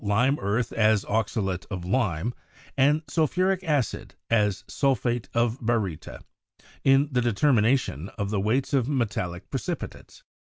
lime earth as oxalate of lime, and sul phuric acid as sulphate of baryta," in the determination of the weights of metallic precipitates.